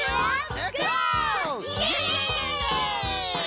イエイ！